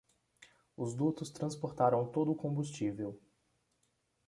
Os dutos transportarão todo o combustível